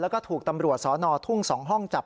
แล้วก็ถูกตำรวจสนทุ่ง๒ห้องจับ